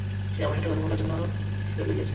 সে আমার সাথে কথা বলার জন্য ফেলে গিয়েছে।